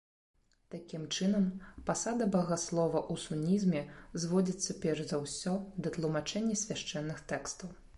Такім чынам, пасада багаслова ў сунізме зводзіцца перш за ўсё да тлумачэння свяшчэнных тэкстаў.